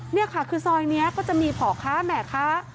นี่ค่ะคือซอยนี้ก็จะมีพ่อค้าแม่ค้า